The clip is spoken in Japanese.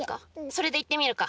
それでいってみるか。